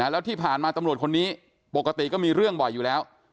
แล้วที่ผ่านมาตำรวจคนนี้ปกติก็มีเรื่องบ่อยอยู่แล้ว